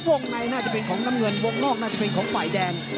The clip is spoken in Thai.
วงในน่าจะเป็นของน้ำเงินวงนอกน่าจะเป็นของฝ่ายแดง